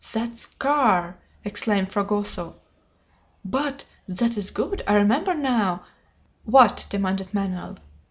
"That scar!" exclaimed Fragoso. "But that is good! I remember now " "What?" demanded Manoel.